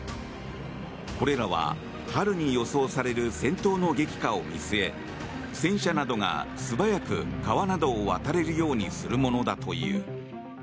これらは春に予想される戦闘の激化を見据え戦車などが素早く川などを渡れるようにするものだという。